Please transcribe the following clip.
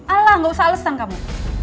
alah gak usah alesan kamu